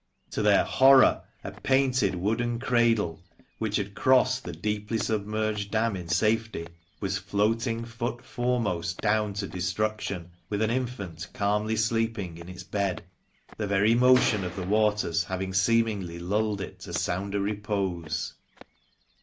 To their horror, a painted wooden cradle, which had crossed the deeply submerged dam in safety, was floating foot foremost down to destruction, with an infant calmly sleeping in its bed ; the very motion of the waters having seemingly lulled it to sounder repose